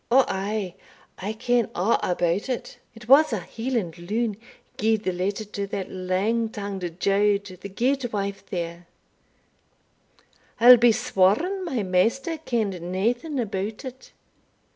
"O ay, I ken a' about it it was a Hieland loon gied the letter to that lang tongued jaud the gudewife there; I'll be sworn my maister ken'd naething about it.